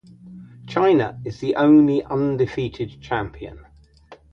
Chyna is the only undefeated champion.